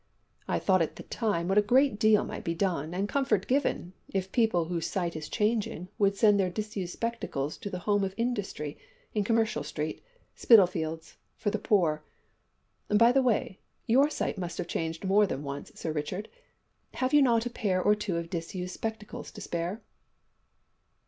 I thought at the time what a deal of good might be done and comfort given if people whose sight is changing would send their disused spectacles to the home of Industry in Commercial Street, Spitalfields, for the poor. By the way, your sight must have changed more than once, Sir Richard! Have you not a pair or two of disused spectacles to spare?"